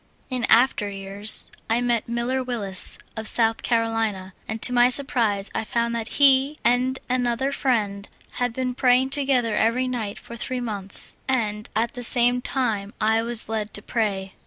In after 3'ears I met Miller Willis, of South Carolina, and to my surprise I found that he and an other friend had been praying together every night for three months, and at the same time I was led to pray.